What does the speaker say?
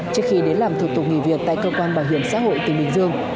trước khi đến làm thủ tục nghỉ việc tại cơ quan bảo hiểm xã hội tỉnh bình dương